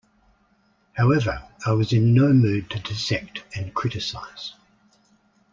However, I was in no mood to dissect and criticize.